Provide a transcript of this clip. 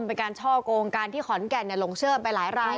เป็นการช่อกงการที่ขอนแก่นหลงเชื่อมไปหลายราย